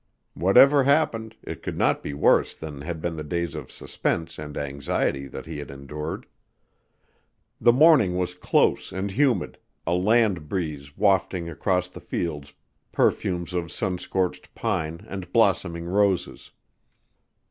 Whatever happened, it could not be worse than had been the days of suspense and anxiety that he had endured. The morning was close and humid, a land breeze wafting across the fields perfumes of sun scorched pine and blossoming roses.